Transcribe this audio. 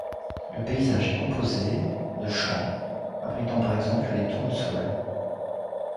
Le paysage est composé de champs abritant par exemple des tournesols.